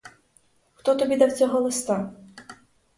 Хто тобі дав цього листа?